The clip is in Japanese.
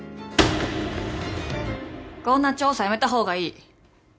こんな調査やめた方がいい。